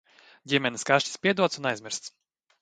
Ģimenes kašķis piedots un aizmirsts.